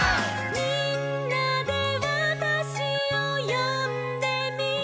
「みんなでわたしをよんでみて」